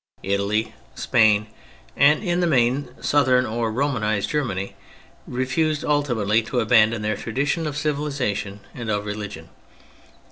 Italy, Spain, and in the main southern or Romanised Germany, refused ultimately to abandon their tradition of civilisation and of religion.